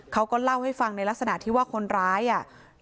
เขาก็เล่าให้ฟังในลักษณะที่ว่าคนร้ายอ่ะ